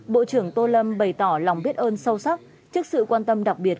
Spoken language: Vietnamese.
bộ trưởng tô lâm bày tỏ lòng biết ơn sâu sắc trước sự quan tâm đặc biệt